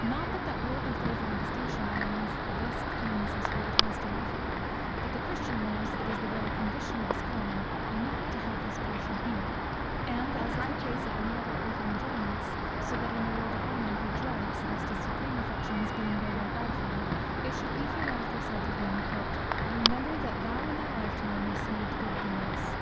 Not but that worldly favour and distinction are amongst the best things this world has to offer: but the Christian knows it is the very condition of his calling, not to have his portion here; and as in the case of any other earthly enjoyments, so in that also of worldly honour, he dreads, lest his supreme affections being thereby gratified, it should be hereafter said to him "remember that thou in thy life time receivedst thy good things."